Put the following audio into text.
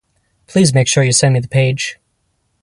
Please make sure you send me the page.